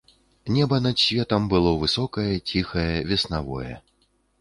Неба над светам было высокае, ціхае, веснавое.